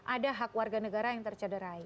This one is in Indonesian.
ada hak warga negara yang tercederai